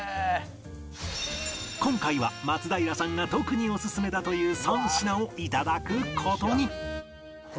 今回は松平さんが特にオススメだという３品を頂く事に